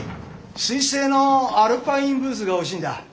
スイス製のアルパインブーツが欲しいんだ。